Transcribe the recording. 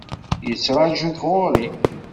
Yettraju-k ɣur-i.